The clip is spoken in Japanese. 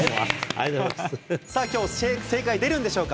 きょう、正解出るんでしょうか。